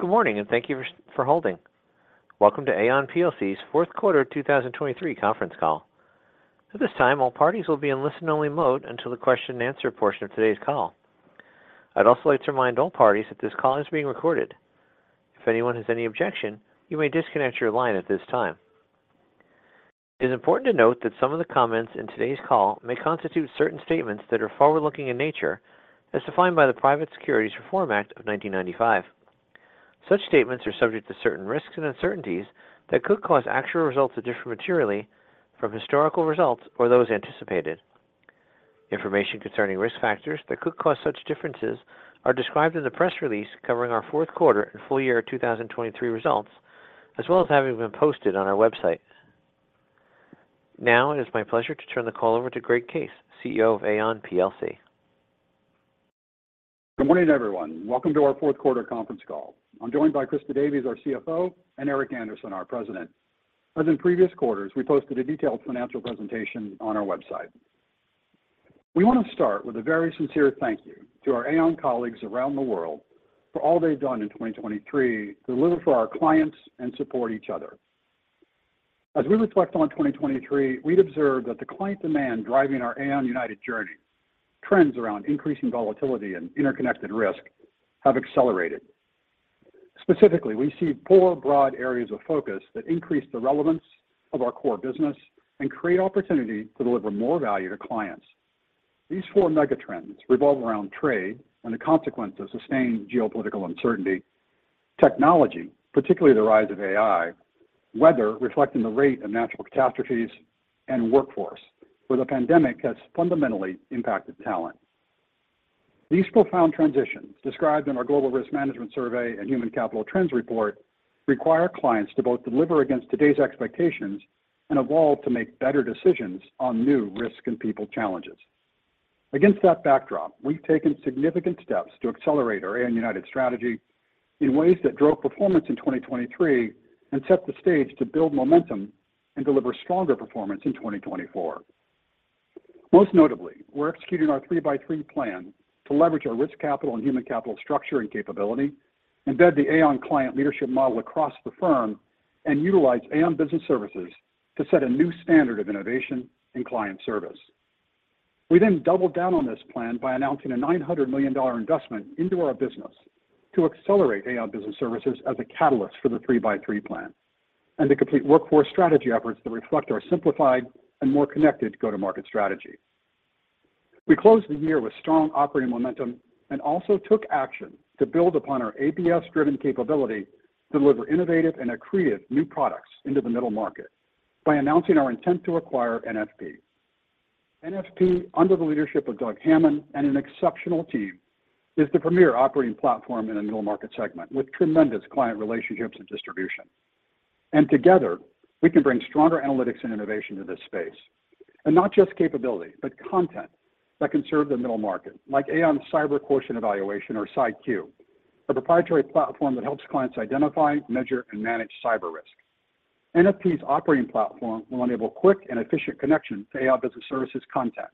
Good morning, and thank you for, for holding. Welcome to Aon PLC's Q4 2023 conference call. At this time, all parties will be in listen-only mode until the question and answer portion of today's call. I'd also like to remind all parties that this call is being recorded. If anyone has any objection, you may disconnect your line at this time. It is important to note that some of the comments in today's call may constitute certain statements that are forward-looking in nature, as defined by the Private Securities Litigation Reform Act of 1995. Such statements are subject to certain risks and uncertainties that could cause actual results to differ materially from historical results or those anticipated. Information concerning risk factors that could cause such differences are described in the press release covering our Q4 and full year 2023 results, as well as having been posted on our website. Now, it is my pleasure to turn the call over to Greg Case, CEO of Aon PLC. Good morning, everyone. Welcome to our Q4 conference call. I'm joined by Christa Davies, our CFO, and Eric Andersen, our President. As in previous quarters, we posted a detailed financial presentation on our website. We want to start with a very sincere thank you to our Aon colleagues around the world for all they've done in 2023 to deliver for our clients and support each other. As we reflect on 2023, we've observed that the client demand driving our Aon United journey, trends around increasing volatility and interconnected risk have accelerated. Specifically, we see four broad areas of focus that increase the relevance of our core business and create opportunity to deliver more value to clients. These four megatrends revolve around trade and the consequence of sustained geopolitical uncertainty, technology, particularly the rise of AI, weather, reflecting the rate of natural catastrophes, and workforce, where the pandemic has fundamentally impacted talent. These profound transitions, described in our Global Risk Management Survey and Human Capital Trends Report, require clients to both deliver against today's expectations and evolve to make better decisions on new risk and people challenges. Against that backdrop, we've taken significant steps to accelerate our Aon United strategy in ways that drove performance in 2023 and set the stage to build momentum and deliver stronger performance in 2024. Most notably, we're executing our 3x3 Plan to leverage our Risk Capital and Human Capital structure and capability, embed the Aon Client Leadership Model across the firm, and utilize Aon Business Services to set a new standard of innovation and client service. We then doubled down on this plan by announcing a $900 million investment into our business to accelerate Aon Business Services as a catalyst for the 3x3 Plan and to complete workforce strategy efforts that reflect our simplified and more connected go-to-market strategy. We closed the year with strong operating momentum and also took action to build upon our ABS-driven capability to deliver innovative and accretive new products into the middle market by announcing our intent to acquire NFP. NFP, under the leadership of Doug Hammond and an exceptional team, is the premier operating platform in the middle market segment, with tremendous client relationships and distribution. Together, we can bring stronger analytics and innovation to this space, and not just capability, but content that can serve the middle market, like Aon's Cyber Quotient Evaluation, or CYQ, a proprietary platform that helps clients identify, measure, and manage cyber risk. NFP's operating platform will enable quick and efficient connection to Aon Business Services content,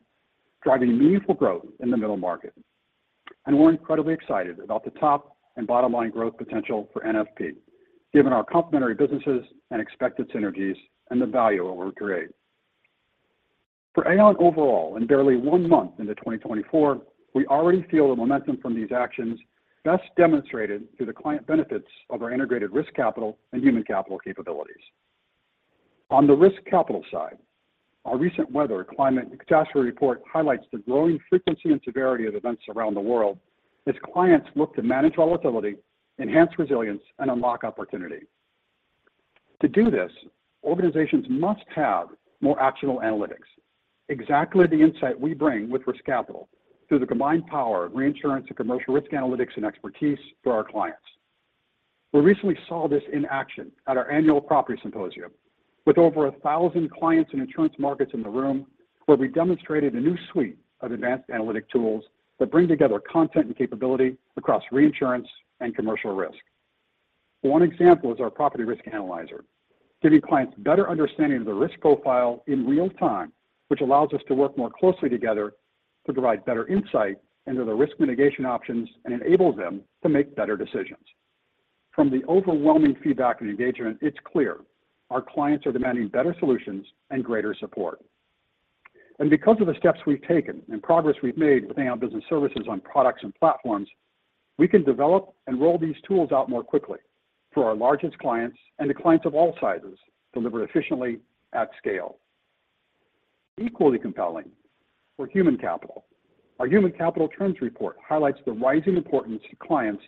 driving meaningful growth in the middle market. We're incredibly excited about the top and bottom line growth potential for NFP, given our complementary businesses and expected synergies and the value it will create. For Aon overall, in barely one month into 2024, we already feel the momentum from these actions, best demonstrated through the client benefits of our integrated Risk Capital and Human Capital capabilities. On the Risk Capital side, our recent Weather and Climate Catastrophe Report highlights the growing frequency and severity of events around the world as clients look to manage volatility, enhance resilience, and unlock opportunity. To do this, organizations must have more actionable analytics, exactly the insight we bring with Risk Capital through the combined power of reinsurance and Commercial Risk analytics and expertise for our clients. We recently saw this in action at our annual Property Symposium, with over 1,000 clients and insurance markets in the room, where we demonstrated a new suite of advanced analytic tools that bring together content and capability across reinsurance and Commercial Risk. One example is our Property Risk Analyzer, giving clients better understanding of the risk profile in real time, which allows us to work more closely together to provide better insight into the risk mitigation options and enables them to make better decisions. From the overwhelming feedback and engagement, it's clear our clients are demanding better solutions and greater support. Because of the steps we've taken and progress we've made with Aon Business Services on products and platforms, we can develop and roll these tools out more quickly for our largest clients and to clients of all sizes, delivered efficiently at scale. Equally compelling, for Human Capital, our Human Capital Trends Report highlights the rising importance to clients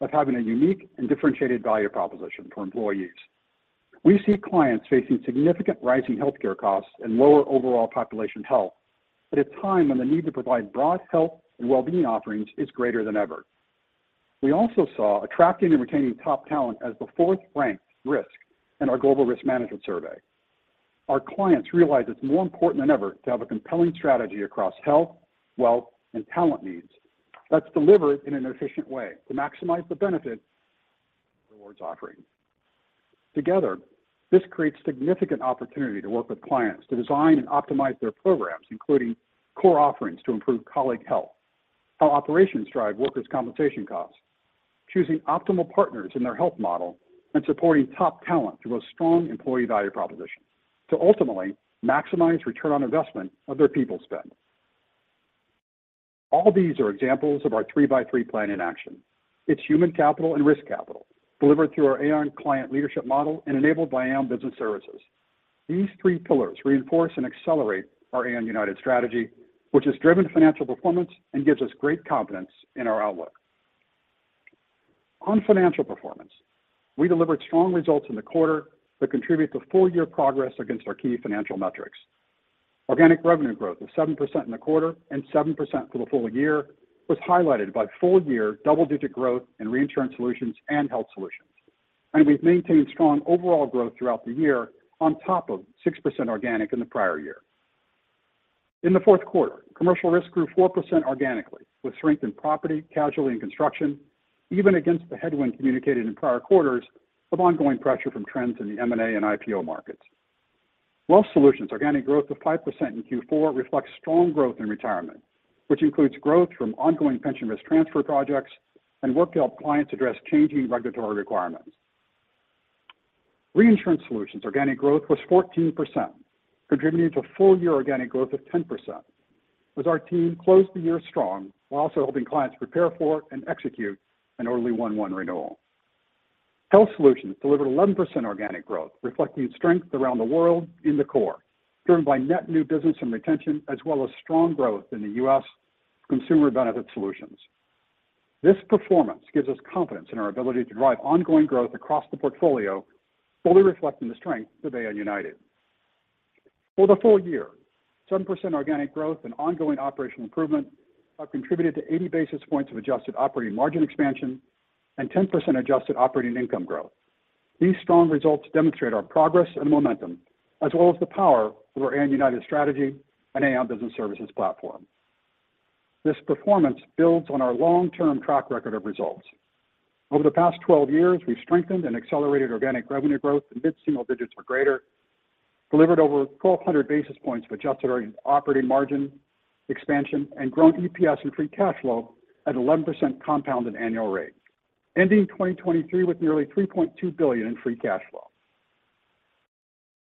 of having a unique and differentiated value proposition for employees. We see clients facing significant rising healthcare costs and lower overall population health at a time when the need to provide broad health and well-being offerings is greater than ever. We also saw attracting and retaining top talent as the fourth-ranked risk in our Global Risk Management Survey. Our clients realize it's more important than ever to have a compelling strategy across health, wealth, and talent needs that's delivered in an efficient way to maximize the benefit towards offerings. Together, this creates significant opportunity to work with clients to design and optimize their programs, including core offerings to improve colleague health, how operations drive workers' compensation costs, choosing optimal partners in their health model, and supporting top talent through a strong employee value proposition to ultimately maximize return on investment of their people spend. All these are examples of our 3x3 Plan in action. It's human capital and risk capital, delivered through our Aon Client Leadership Model and enabled by Aon Business Services. These three pillars reinforce and accelerate our Aon United strategy, which has driven financial performance and gives us great confidence in our outlook. On financial performance, we delivered strong results in the quarter that contribute to full-year progress against our key financial metrics. Organic revenue growth of 7% in the quarter and 7% for the full year was highlighted by full-year double-digit growth in Reinsurance Solutions and Health Solutions. And we've maintained strong overall growth throughout the year on top of 6% organic in the prior year. In the Q4, commercial risk grew 4% organically, with strength in property, casualty, and construction, even against the headwind communicated in prior quarters of ongoing pressure from trends in the M&A and IPO markets. Wealth Solutions organic growth of 5% in Q4 reflects strong growth in retirement, which includes growth from ongoing pension risk transfer projects and work to help clients address changing regulatory requirements. Reinsurance Solutions organic growth was 14%, contributing to full-year organic growth of 10%, as our team closed the year strong while also helping clients prepare for and execute an early 1-1 renewal. Health Solutions delivered 11% organic growth, reflecting strength around the world in the core, driven by net new business and retention, as well as strong growth in the U.S. Consumer Benefit Solutions. This performance gives us confidence in our ability to drive ongoing growth across the portfolio, fully reflecting the strength of Aon United. For the full year, 7% organic growth and ongoing operational improvement have contributed to 80 basis points of adjusted operating margin expansion and 10% adjusted operating income growth. These strong results demonstrate our progress and momentum, as well as the power of our Aon United strategy and Aon Business Services platform. This performance builds on our long-term track record of results. Over the past 12 years, we've strengthened and accelerated organic revenue growth in mid-single digits or greater, delivered over 1,200 basis points of adjusted operating margin expansion, and grown EPS and free cash flow at 11% compounded annual rate, ending 2023 with nearly $3.2 billion in free cash flow.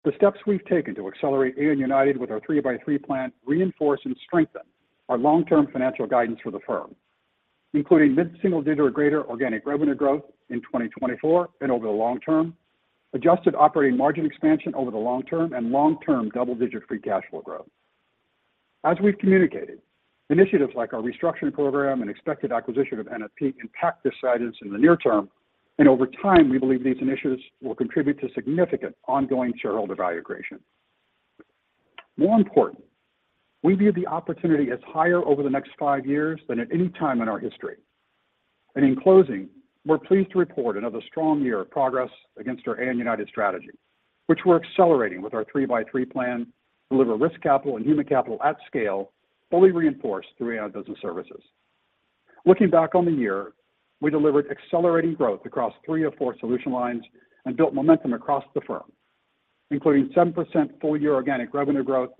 The steps we've taken to accelerate Aon United with our 3x3 Plan reinforce and strengthen our long-term financial guidance for the firm, including mid-single-digit or greater organic revenue growth in 2024 and over the long term, adjusted operating margin expansion over the long term, and long-term double-digit free cash flow growth. As we've communicated, initiatives like our restructuring program and expected acquisition of NFP impact this guidance in the near term, and over time, we believe these initiatives will contribute to significant ongoing shareholder value creation. More important, we view the opportunity as higher over the next 5 years than at any time in our history. And in closing, we're pleased to report another strong year of progress against our Aon United strategy, which we're accelerating with our 3x3 Plan to deliver risk capital and human capital at scale, fully reinforced through Aon Business Services. Looking back on the year, we delivered accelerating growth across three of four solution lines and built momentum across the firm, including 7% full-year organic revenue growth,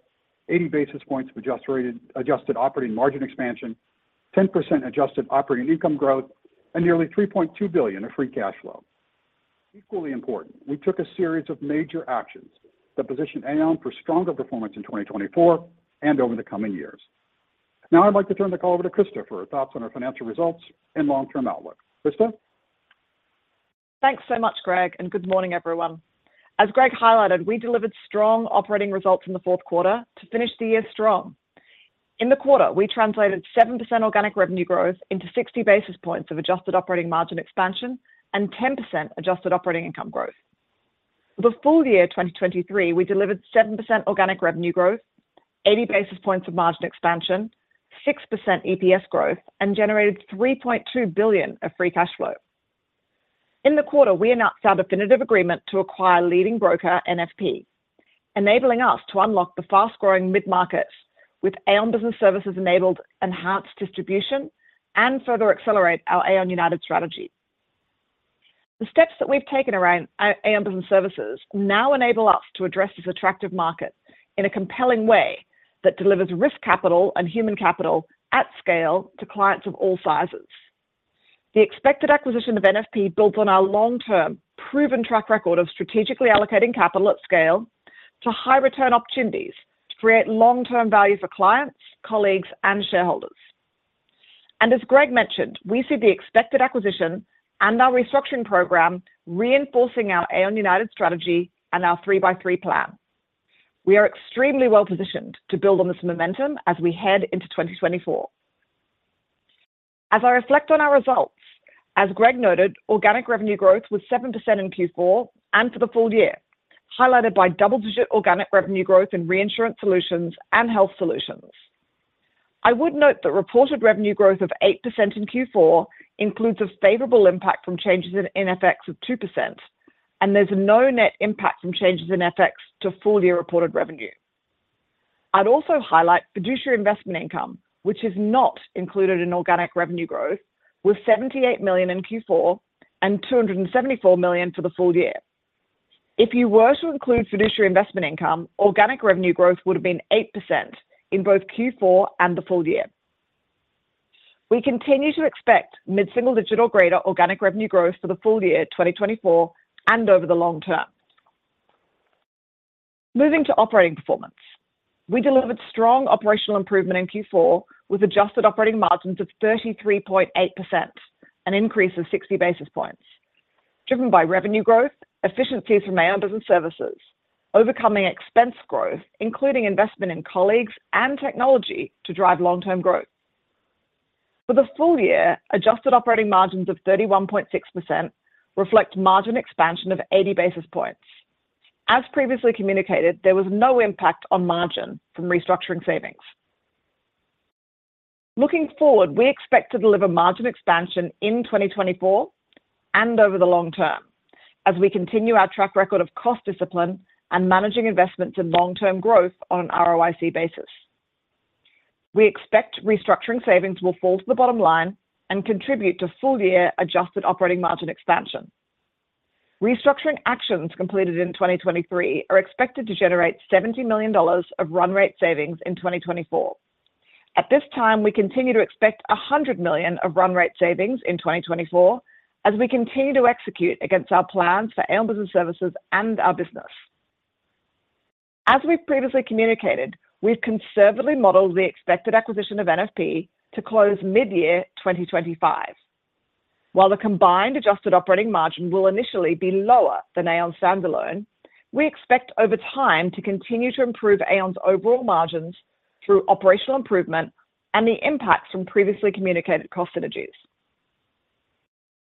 80 basis points of adjusted, rate-adjusted operating margin expansion, 10% adjusted operating income growth, and nearly $3.2 billion of free cash flow. Equally important, we took a series of major actions that position Aon for stronger performance in 2024 and over the coming years. Now, I'd like to turn the call over to Christa for her thoughts on our financial results and long-term outlook. Christa? Thanks so much, Greg, and good morning, everyone. As Greg highlighted, we delivered strong operating results in the Q4 to finish the year strong. In the quarter, we translated 7% organic revenue growth into 60 basis points of adjusted operating margin expansion and 10% adjusted operating income growth. The full year 2023, we delivered 7% organic revenue growth, 80 basis points of margin expansion, 6% EPS growth, and generated $3.2 billion of free cash flow. In the quarter, we announced our definitive agreement to acquire leading broker NFP, enabling us to unlock the fast-growing mid-markets with Aon Business Services-enabled enhanced distribution and further accelerate our Aon United strategy. The steps that we've taken around Aon Business Services now enable us to address this attractive market in a compelling way that delivers Risk Capital and Human Capital at scale to clients of all sizes. The expected acquisition of NFP builds on our long-term, proven track record of strategically allocating capital at scale to high-return opportunities to create long-term value for clients, colleagues, and shareholders. As Greg mentioned, we see the expected acquisition and our restructuring program reinforcing our Aon United strategy and our 3x3 Plan. We are extremely well positioned to build on this momentum as we head into 2024. As I reflect on our results, as Greg noted, organic revenue growth was 7% in Q4 and for the full year, highlighted by double-digit organic revenue growth in Reinsurance Solutions and Health Solutions. I would note that reported revenue growth of 8% in Q4 includes a favorable impact from changes in FX of 2%, and there's no net impact from changes in FX to full-year reported revenue. I'd also highlight fiduciary investment income, which is not included in organic revenue growth, was $78 million in Q4 and $274 million for the full year. If you were to include fiduciary investment income, organic revenue growth would have been 8% in both Q4 and the full year. We continue to expect mid-single digit or greater organic revenue growth for the full year 2024 and over the long term. Moving to operating performance. We delivered strong operational improvement in Q4, with adjusted operating margins of 33.8%, an increase of 60 basis points, driven by revenue growth, efficiencies from Aon Business Services, overcoming expense growth, including investment in colleagues and technology to drive long-term growth. For the full year, adjusted operating margins of 31.6% reflect margin expansion of 80 basis points. As previously communicated, there was no impact on margin from restructuring savings. Looking forward, we expect to deliver margin expansion in 2024 and over the long term as we continue our track record of cost discipline and managing investments in long-term growth on an ROIC basis. We expect restructuring savings will fall to the bottom line and contribute to full year adjusted operating margin expansion. Restructuring actions completed in 2023 are expected to generate $70 million of run rate savings in 2024. At this time, we continue to expect $100 million of run rate savings in 2024 as we continue to execute against our plans for Aon Business Services and our business. As we've previously communicated, we've conservatively modeled the expected acquisition of NFP to close mid-year 2025. While the combined adjusted operating margin will initially be lower than Aon standalone, we expect over time to continue to improve Aon's overall margins through operational improvement and the impact from previously communicated cost synergies.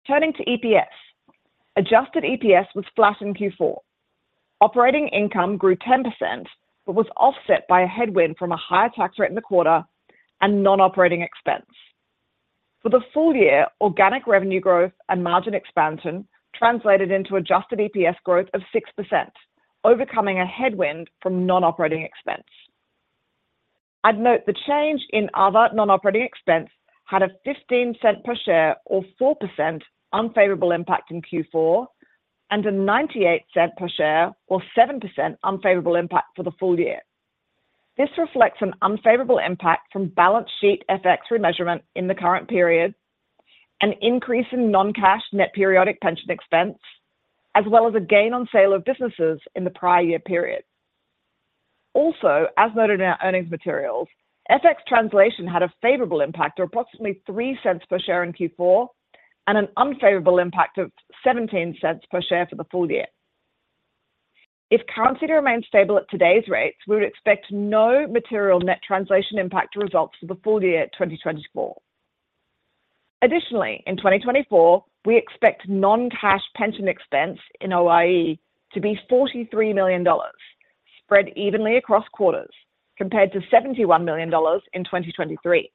Turning to EPS. Adjusted EPS was flat in Q4. Operating income grew 10%, but was offset by a headwind from a higher tax rate in the quarter and non-operating expense. For the full year, organic revenue growth and margin expansion translated into adjusted EPS growth of 6%, overcoming a headwind from non-operating expense. I'd note the change in other non-operating expense had a $0.15 per share or 4% unfavorable impact in Q4 and a $0.98 per share or 7% unfavorable impact for the full year. This reflects an unfavorable impact from balance sheet FX remeasurement in the current period, an increase in non-cash net periodic pension expense, as well as a gain on sale of businesses in the prior year period. Also, as noted in our earnings materials, FX translation had a favorable impact of approximately $0.03 per share in Q4 and an unfavorable impact of $0.17 per share for the full year 2024. If currency remains stable at today's rates, we would expect no material net translation impact to results for the full year 2024. Additionally, in 2024, we expect non-cash pension expense in OIE to be $43 million, spread evenly across quarters, compared to $71 million in 2023.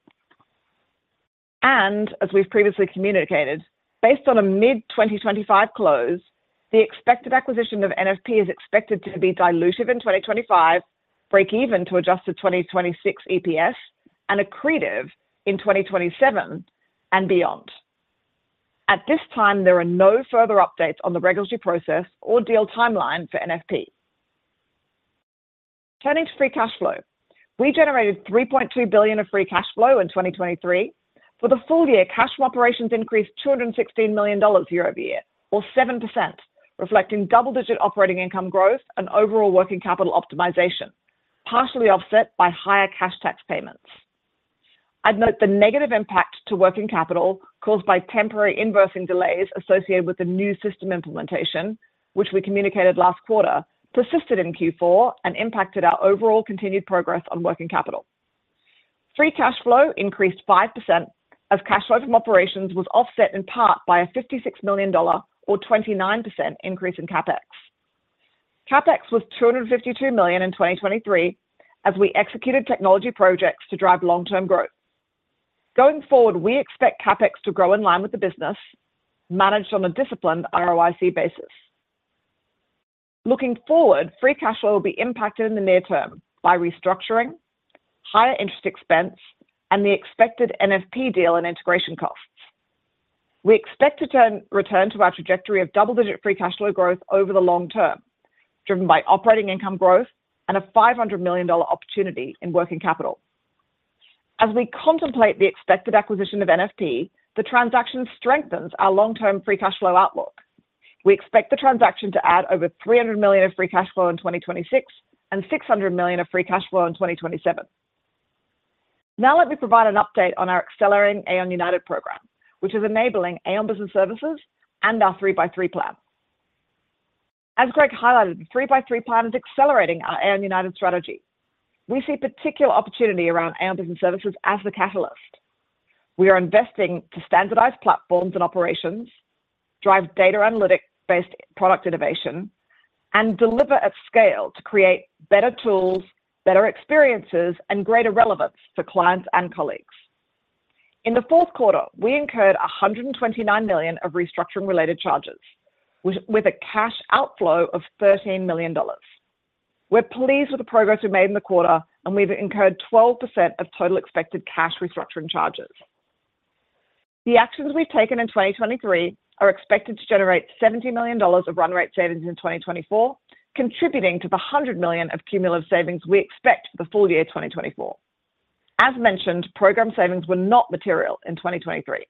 As we've previously communicated, based on a mid-2025 close, the expected acquisition of NFP is expected to be dilutive in 2025, break even to adjusted 2026 EPS, and accretive in 2027 and beyond. At this time, there are no further updates on the regulatory process or deal timeline for NFP. Turning to free cash flow. We generated $3.2 billion of free cash flow in 2023. For the full year, cash from operations increased $216 million year-over-year or 7%, reflecting double-digit operating income growth and overall working capital optimization, partially offset by higher cash tax payments. I'd note the negative impact to working capital caused by temporary invoicing delays associated with the new system implementation, which we communicated last quarter, persisted in Q4 and impacted our overall continued progress on working capital. Free cash flow increased 5% as cash flow from operations was offset in part by a $56 million or 29% increase in CapEx. CapEx was $252 million in 2023 as we executed technology projects to drive long-term growth. Going forward, we expect CapEx to grow in line with the business, managed on a disciplined ROIC basis. Looking forward, free cash flow will be impacted in the near term by restructuring, higher interest expense, and the expected NFP deal and integration costs. We expect to return to our trajectory of double-digit free cash flow growth over the long term, driven by operating income growth and a $500 million opportunity in working capital. As we contemplate the expected acquisition of NFP, the transaction strengthens our long-term free cash flow outlook. We expect the transaction to add over $300 million of free cash flow in 2026 and $600 million of free cash flow in 2027. Now let me provide an update on our accelerating Aon United program, which is enabling Aon Business Services and our 3x3 Plan. As Greg highlighted, the 3x3 Plan is accelerating our Aon United strategy. We see particular opportunity around Aon Business Services as the catalyst. We are investing to standardize platforms and operations, drive data analytic-based product innovation, and deliver at scale to create better tools, better experiences, and greater relevance for clients and colleagues. In the Q4, we incurred $129 million of restructuring related charges, with a cash outflow of $13 million. We're pleased with the progress we've made in the quarter, and we've incurred 12% of total expected cash restructuring charges. The actions we've taken in 2023 are expected to generate $70 million of run rate savings in 2024, contributing to the $100 million of cumulative savings we expect for the full year 2024. As mentioned, program savings were not material in 2023.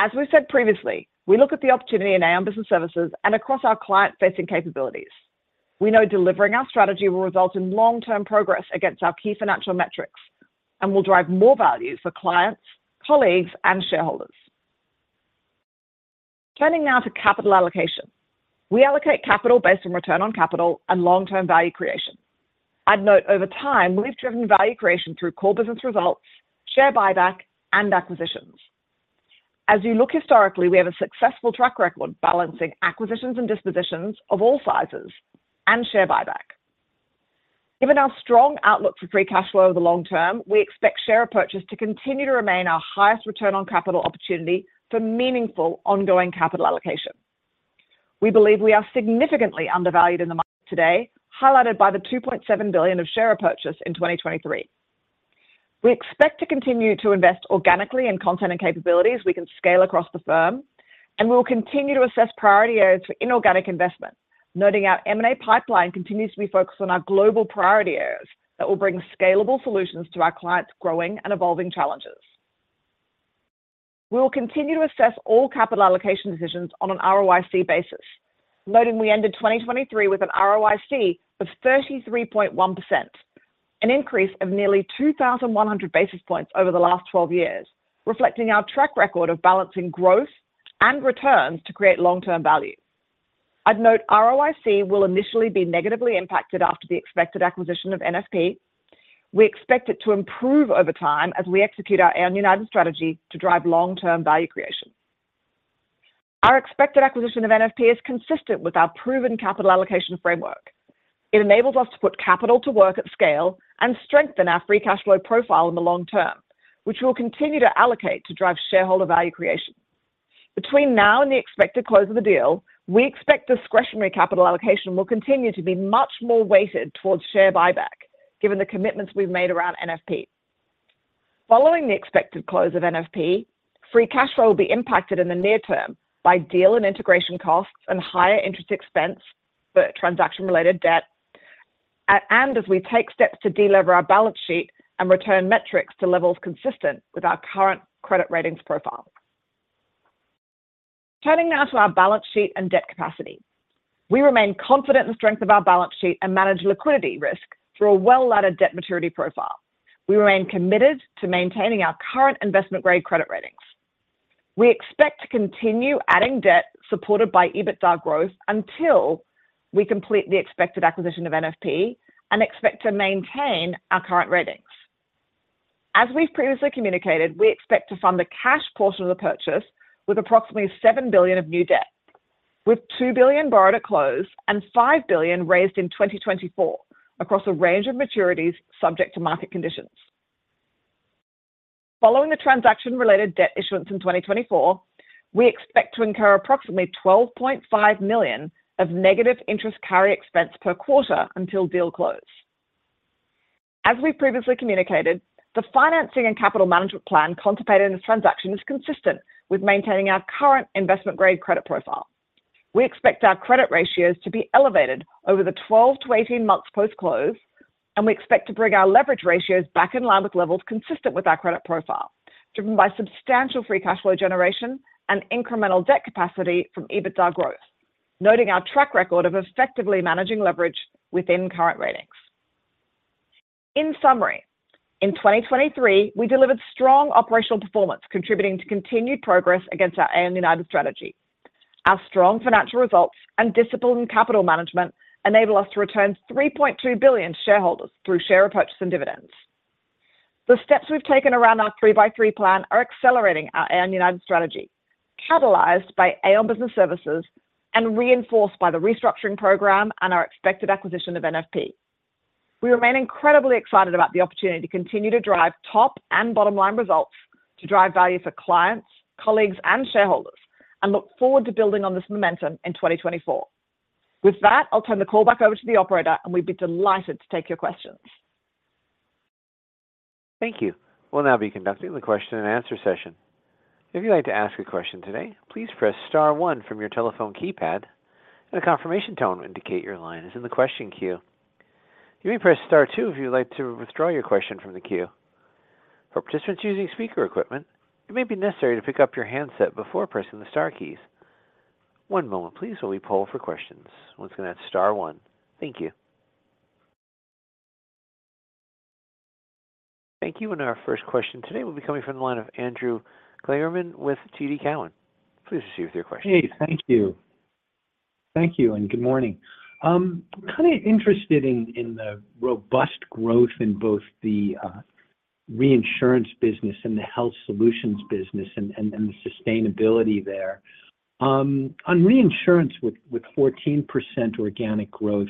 As we said previously, we look at the opportunity in Aon Business Services and across our client-facing capabilities. We know delivering our strategy will result in long-term progress against our key financial metrics and will drive more value for clients, colleagues, and shareholders. Turning now to capital allocation. We allocate capital based on return on capital and long-term value creation. I'd note over time, we've driven value creation through core business results, share buyback, and acquisitions. As you look historically, we have a successful track record balancing acquisitions and dispositions of all sizes and share buyback. Given our strong outlook for free cash flow over the long term, we expect share purchase to continue to remain our highest return on capital opportunity for meaningful ongoing capital allocation. We believe we are significantly undervalued in the market today, highlighted by the $2.7 billion of share purchase in 2023. We expect to continue to invest organically in content and capabilities we can scale across the firm, and we will continue to assess priority areas for inorganic investment, noting our M&A pipeline continues to be focused on our global priority areas that will bring scalable solutions to our clients' growing and evolving challenges. We will continue to assess all capital allocation decisions on an ROIC basis, noting we ended 2023 with an ROIC of 33.1%, an increase of nearly 2,100 basis points over the last 12 years, reflecting our track record of balancing growth and returns to create long-term value. I'd note ROIC will initially be negatively impacted after the expected acquisition of NFP. We expect it to improve over time as we execute our Aon United strategy to drive long-term value creation. Our expected acquisition of NFP is consistent with our proven capital allocation framework. It enables us to put capital to work at scale and strengthen our free cash flow profile in the long term, which we will continue to allocate to drive shareholder value creation. Between now and the expected close of the deal, we expect discretionary capital allocation will continue to be much more weighted towards share buyback, given the commitments we've made around NFP. Following the expected close of NFP, free cash flow will be impacted in the near term by deal and integration costs and higher interest expense for transaction-related debt, and then as we take steps to deliver our balance sheet and return metrics to levels consistent with our current credit ratings profile. Turning now to our balance sheet and debt capacity. We remain confident in the strength of our balance sheet and manage liquidity risk through a well-laddered debt maturity profile. We remain committed to maintaining our current investment-grade credit ratings. We expect to continue adding debt supported by EBITDA growth until we complete the expected acquisition of NFP and expect to maintain our current ratings. As we've previously communicated, we expect to fund the cash portion of the purchase with approximately $7 billion of new debt, with $2 billion borrowed at close and $5 billion raised in 2024 across a range of maturities subject to market conditions. Following the transaction-related debt issuance in 2024, we expect to incur approximately $12.5 million of negative interest carry expense per quarter until deal close. As we previously communicated, the financing and capital management plan contemplated in this transaction is consistent with maintaining our current investment-grade credit profile. We expect our credit ratios to be elevated over the 12-18 months post-close, and we expect to bring our leverage ratios back in line with levels consistent with our credit profile, driven by substantial free cash flow generation and incremental debt capacity from EBITDA growth, noting our track record of effectively managing leverage within current ratings. In summary, in 2023, we delivered strong operational performance, contributing to continued progress against our Aon United strategy. Our strong financial results and disciplined capital management enable us to return $3.2 billion to shareholders through share purchase and dividends. The steps we've taken around our 3x3 Plan are accelerating our Aon United strategy, catalyzed by Aon Business Services and reinforced by the restructuring program and our expected acquisition of NFP. We remain incredibly excited about the opportunity to continue to drive top and bottom line results, to drive value for clients, colleagues, and shareholders, and look forward to building on this momentum in 2024. With that, I'll turn the call back over to the operator, and we'd be delighted to take your questions. Thank you. We'll now be conducting the question and answer session. If you'd like to ask a question today, please press star one from your telephone keypad, and a confirmation tone will indicate your line is in the question queue. You may press star two if you'd like to withdraw your question from the queue. For participants using speaker equipment, it may be necessary to pick up your handset before pressing the star keys. One moment please while we poll for questions. Once again, that's star one. Thank you. Thank you, and our first question today will be coming from the line of Andrew Kligerman with TD Cowen. Please proceed with your question. Hey, thank you. Thank you, and good morning. I'm kind of interested in the robust growth in both the reinsurance business and the health solutions business and the sustainability there. On reinsurance with 14% organic growth,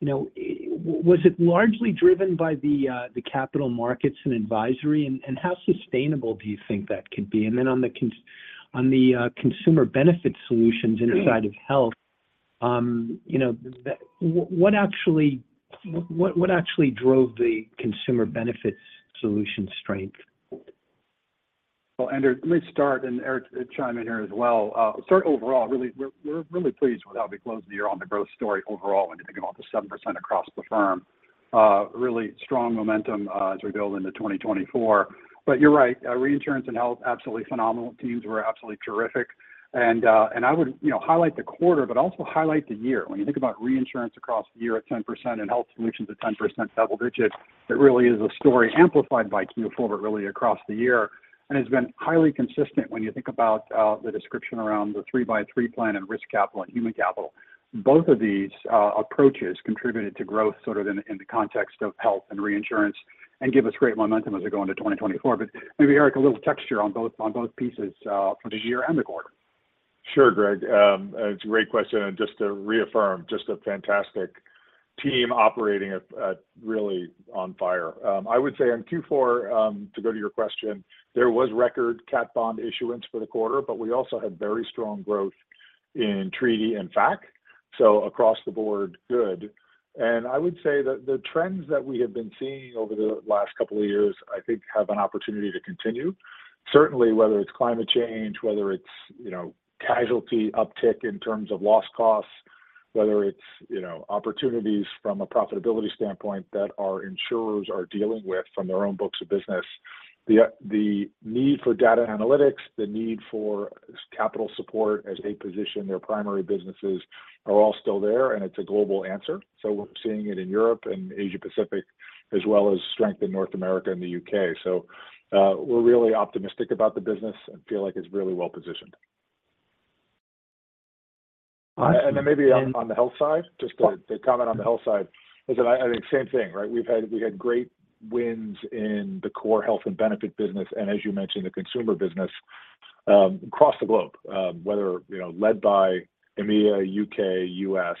you know, was it largely driven by the capital markets and advisory? And how sustainable do you think that could be? And then on the consumer benefit solutions inside of health, you know, what actually drove the consumer benefits solution strength? Well, Andrew, let me start, and Eric can chime in here as well. So overall, really, we're, we're really pleased with how we closed the year on the growth story overall, when you think about the 7% across the firm. Really strong momentum, as we build into 2024. But you're right, reinsurance and health, absolutely phenomenal. Teams were absolutely terrific. And, and I would, you know, highlight the quarter, but also highlight the year. When you think about reinsurance across the year at 10% and health solutions at 10% double digits, it really is a story amplified by Q4, but really across the year. And has been highly consistent when you think about, the description around the 3x3 Plan and Risk Capital and Human Capital. Both of these approaches contributed to growth sort of in, in the context of health and reinsurance and give us great momentum as we go into 2024. But maybe, Eric, a little texture on both, on both pieces, for the year and the quarter. Sure, Greg. It's a great question, and just to reaffirm, just a fantastic team operating at really on fire. I would say on Q4, to go to your question, there was record cat bond issuance for the quarter, but we also had very strong growth in treaty and Fac, so across the board, good. And I would say that the trends that we have been seeing over the last couple of years, I think, have an opportunity to continue. Certainly, whether it's climate change, whether it's, you know, casualty uptick in terms of loss costs, whether it's, you know, opportunities from a profitability standpoint that our insurers are dealing with from their own books of business. The need for data analytics, the need for capital support as they position their primary businesses are all still there, and it's a global answer. So we're seeing it in Europe and Asia Pacific, as well as strength in North America and the UK. So, we're really optimistic about the business and feel like it's really well positioned. And then maybe- On the health side, just to comment on the health side, is that I think same thing, right? We've had great wins in the core health and benefit business, and as you mentioned, the consumer business across the globe, whether, you know, led by EMEA, U.K., U.S.,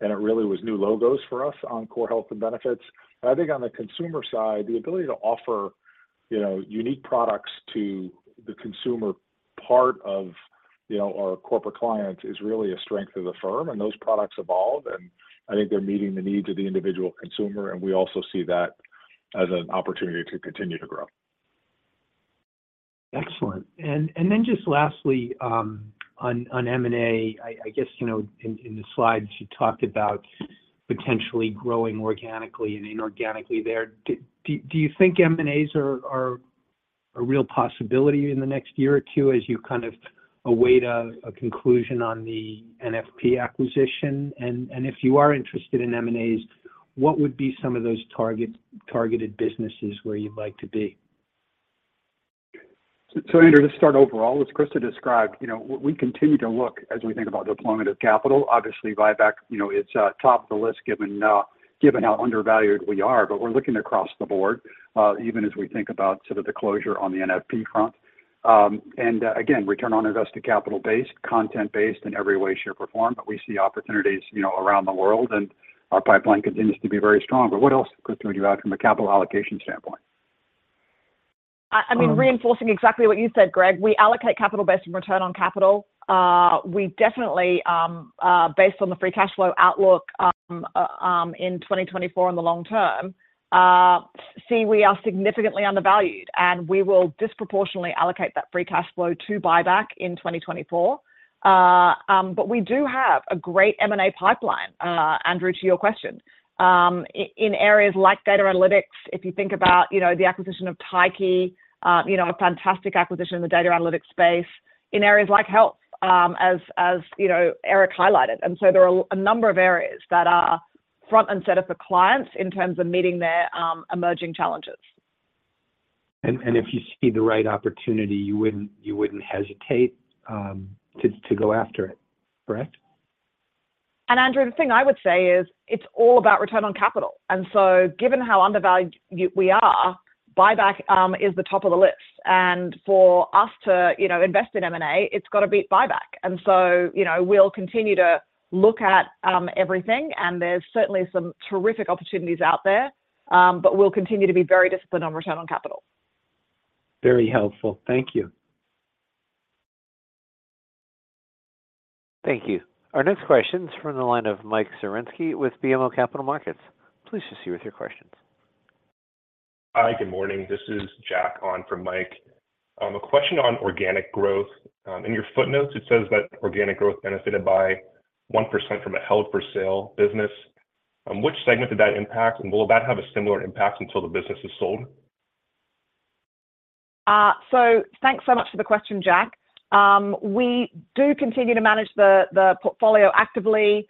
and it really was new logos for us on core health and benefits. I think on the consumer side, the ability to offer, you know, unique products to the consumer part of, you know, our corporate clients is really a strength of the firm, and those products evolve, and I think they're meeting the needs of the individual consumer, and we also see that as an opportunity to continue to grow. Excellent. And then just lastly, on M&A, I guess, you know, in the slides, you talked about potentially growing organically and inorganically there. Do you think M&As are a real possibility in the next year or two as you kind of await a conclusion on the NFP acquisition? And if you are interested in M&As, what would be some of those targeted businesses where you'd like to be? So Andrew, let's start overall. As Christa described, you know, we continue to look as we think about deployment of capital. Obviously, buyback, you know, it's top of the list, given given how undervalued we are, but we're looking across the board, even as we think about sort of the closure on the NFP front. And again, return on invested capital based, content based in every way, shape, or form, but we see opportunities, you know, around the world, and our pipeline continues to be very strong. But what else, Christa, would you add from a capital allocation standpoint? I mean, reinforcing exactly what you said, Greg. We allocate capital based on return on capital. We definitely based on the free cash flow outlook in 2024 in the long term see we are significantly undervalued, and we will disproportionately allocate that free cash flow to buyback in 2024. But we do have a great M&A pipeline, Andrew, to your question. In areas like data analytics, if you think about, you know, the acquisition of Tyche, you know, a fantastic acquisition in the data analytics space, in areas like health, as you know, Eric highlighted. And so there are a number of areas that are front and center for clients in terms of meeting their emerging challenges. And if you see the right opportunity, you wouldn't hesitate to go after it, correct? Andrew, the thing I would say is it's all about return on capital. And so given how undervalued we are, buyback is the top of the list. And for us to, you know, invest in M&A, it's got to beat buyback. And so, you know, we'll continue to look at everything, and there's certainly some terrific opportunities out there, but we'll continue to be very disciplined on return on capital. Very helpful. Thank you. Thank you. Our next question is from the line of Mike Zaremski with BMO Capital Markets. Please proceed with your questions. Hi, good morning. This is Jack on from Mike. A question on organic growth. In your footnotes, it says that organic growth benefited by 1% from a held-for-sale business. Which segment did that impact, and will that have a similar impact until the business is sold? So thanks so much for the question, Jack. We do continue to manage the portfolio actively.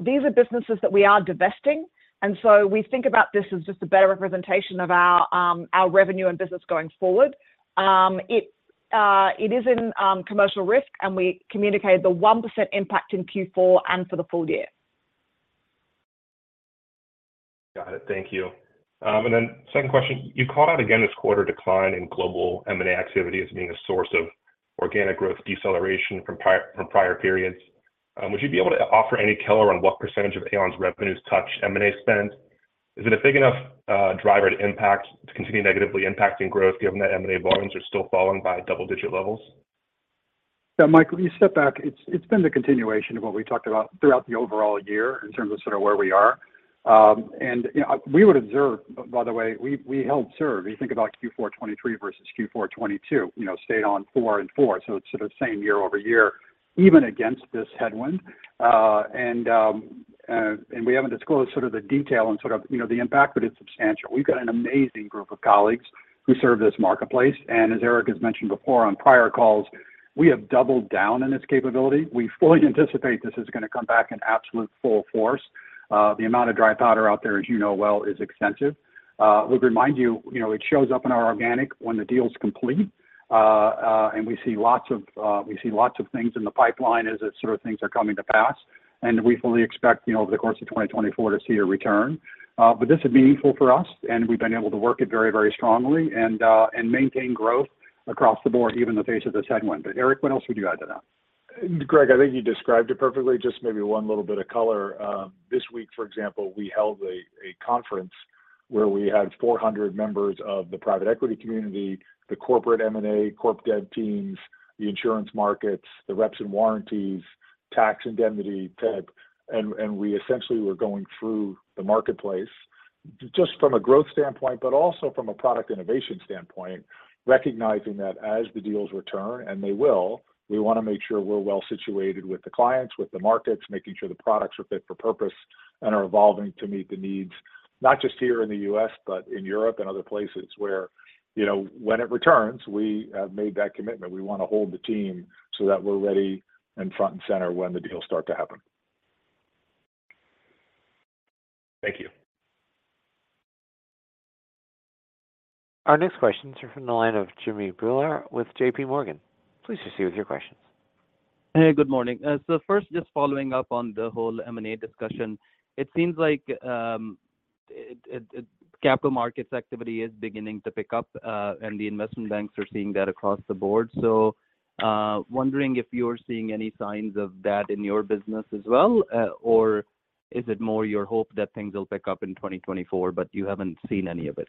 These are businesses that we are divesting, and so we think about this as just a better representation of our revenue and business going forward. It is in commercial risk, and we communicated the 1% impact in Q4 and for the full year.... Got it. Thank you. Then second question, you called out again this quarter decline in global M&A activity as being a source of organic growth deceleration from prior periods. Would you be able to offer any color on what percentage of Aon's revenues touch M&A spend? Is it a big enough driver to impact, to continue negatively impacting growth, given that M&A volumes are still falling by double-digit levels? Yeah, Michael, you step back, it's been the continuation of what we talked about throughout the overall year in terms of sort of where we are. You know, we would observe, by the way, we held serve. You think about Q4 2023 versus Q4 2022, you know, stayed on 4 and 4, so it's sort of same year-over-year, even against this headwind. We haven't disclosed sort of the detail and sort of, you know, the impact, but it's substantial. We've got an amazing group of colleagues who serve this marketplace, and as Eric has mentioned before on prior calls, we have doubled down on this capability. We fully anticipate this is going to come back in absolute full force. The amount of dry powder out there, as you know well, is extensive. We'll remind you, you know, it shows up in our organic when the deal is complete, and we see lots of, we see lots of things in the pipeline as the sort of things are coming to pass, and we fully expect, you know, over the course of 2024 to see a return. But this is meaningful for us, and we've been able to work it very, very strongly and, and maintain growth across the board, even in the face of this headwind. But Eric, what else would you add to that? Greg, I think you described it perfectly. Just maybe one little bit of color. This week, for example, we held a conference where we had 400 members of the private equity community, the corporate M&A, corp dev teams, the insurance markets, the reps and warranties, tax indemnity type. We essentially were going through the marketplace just from a growth standpoint, but also from a product innovation standpoint, recognizing that as the deals return, and they will, we want to make sure we're well situated with the clients, with the markets, making sure the products are fit for purpose and are evolving to meet the needs, not just here in the U.S., but in Europe and other places where, you know, when it returns, we have made that commitment. We want to hold the team so that we're ready and front and center when the deals start to happen. Thank you. Our next questions are from the line of Jimmy Bhullar with JP Morgan. Please proceed with your questions. Hey, good morning. So first, just following up on the whole M&A discussion, it seems like, capital markets activity is beginning to pick up, and the investment banks are seeing that across the board. So, wondering if you're seeing any signs of that in your business as well, or is it more your hope that things will pick up in 2024, but you haven't seen any of it?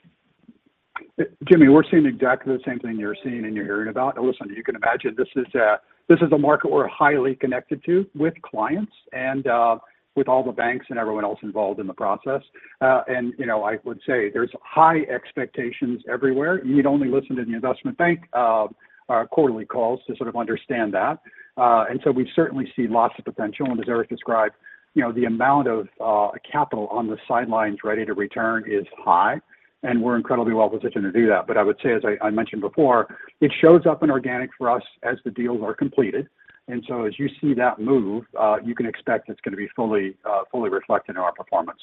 Jimmy, we're seeing exactly the same thing you're seeing and you're hearing about. Now, listen, you can imagine this is a market we're highly connected to with clients and with all the banks and everyone else involved in the process. You know, I would say there's high expectations everywhere. You need only listen to the investment bank quarterly calls to sort of understand that. And so we've certainly seen lots of potential, and as Eric described, you know, the amount of capital on the sidelines ready to return is high, and we're incredibly well positioned to do that. But I would say, as I mentioned before, it shows up in organic for us as the deals are completed. As you see that move, you can expect it's going to be fully reflected in our performance.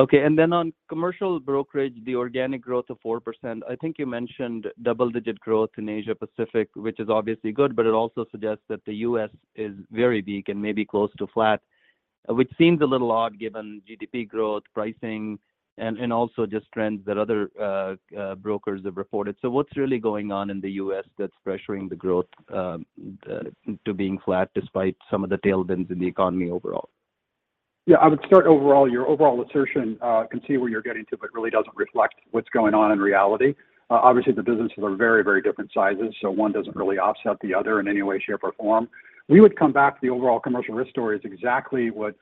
Okay. And then on commercial brokerage, the organic growth of 4%. I think you mentioned double-digit growth in Asia Pacific, which is obviously good, but it also suggests that the U.S. is very weak and maybe close to flat, which seems a little odd given GDP growth, pricing, and also just trends that other brokers have reported. So what's really going on in the U.S. that's pressuring the growth to being flat despite some of the tailwinds in the economy overall? Yeah, I would start overall. Your overall assertion, I can see where you're getting to, but it really doesn't reflect what's going on in reality. Obviously, the businesses are very, very different sizes, so one doesn't really offset the other in any way, shape, or form. We would come back to the overall commercial risk story is exactly what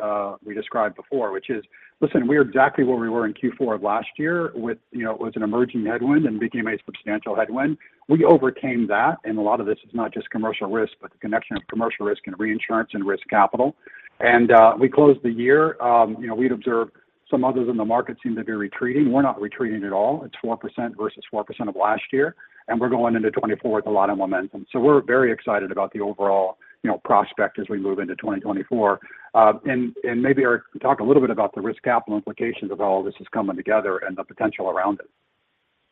we described before, which is, listen, we're exactly where we were in Q4 of last year with, you know, it was an emerging headwind and became a substantial headwind. We overcame that, and a lot of this is not just commercial risk, but the connection of commercial risk and reinsurance and risk capital. And we closed the year. You know, we'd observed some others in the market seem to be retreating. We're not retreating at all. It's 4% versus 4% of last year, and we're going into 2024 with a lot of momentum. So we're very excited about the overall, you know, prospect as we move into 2024. And maybe, Eric, talk a little bit about the risk capital implications of all this is coming together and the potential around it.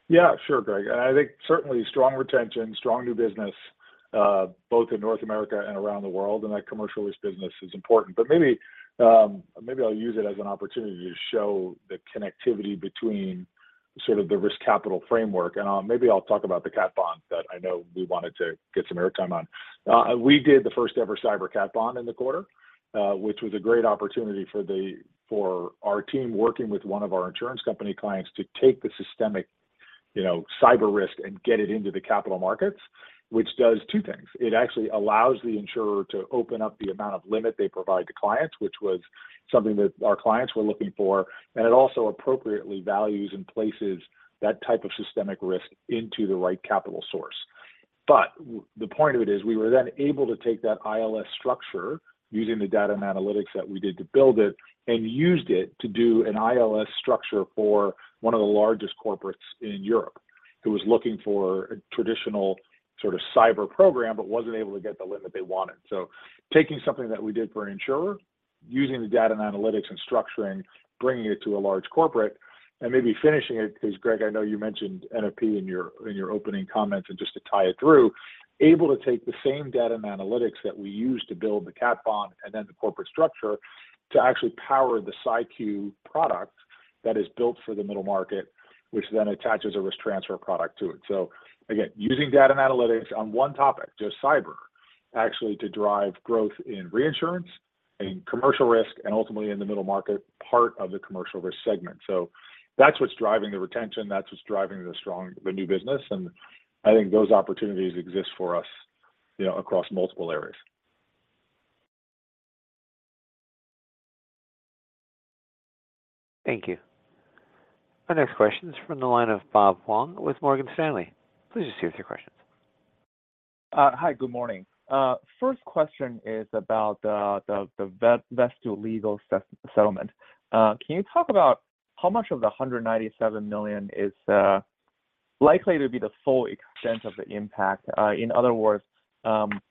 Yeah, sure, Greg. I think certainly strong retention, strong new business, both in North America and around the world, and that commercial risk business is important. But maybe, maybe I'll use it as an opportunity to show the connectivity between sort of the risk capital framework, and I'll—maybe I'll talk about the cat bond that I know we wanted to get some airtime on. We did the first-ever cyber cat bond in the quarter, which was a great opportunity for our team working with one of our insurance company clients to take the systemic, you know, cyber risk and get it into the capital markets, which does two things. It actually allows the insurer to open up the amount of limit they provide to clients, which was something that our clients were looking for, and it also appropriately values and places that type of systemic risk into the right capital source. But the point of it is, we were then able to take that ILS structure using the data and analytics that we did to build it, and used it to do an ILS structure for one of the largest corporates in Europe, who was looking for a traditional sort of cyber program, but wasn't able to get the limit they wanted. So taking something that we did for an insurer, using the data and analytics and structuring, bringing it to a large corporate, and maybe finishing it, 'cause Greg, I know you mentioned NFP in your, in your opening comments, and just to tie it through, able to take the same data and analytics that we used to build the cat bond and then the corporate structure to actually power the CYQ product... that is built for the middle market, which then attaches a risk transfer product to it. So again, using data and analytics on one topic, just cyber, actually to drive growth in reinsurance, in commercial risk, and ultimately in the middle market, part of the commercial risk segment. So that's what's driving the retention, that's what's driving the strong, the new business, and I think those opportunities exist for us, you know, across multiple areas. Thank you. Our next question is from the line of Bob Huang with Morgan Stanley. Please proceed with your questions. Hi, good morning. First question is about the Vesttoo legal settlement. Can you talk about how much of the $197 million is likely to be the full extent of the impact? In other words, in